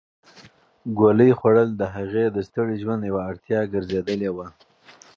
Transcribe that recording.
ګولۍ خوړل د هغې د ستړي ژوند یوه اړتیا ګرځېدلې وه.